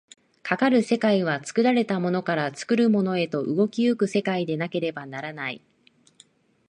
かかる世界は作られたものから作るものへと動き行く世界でなければならない。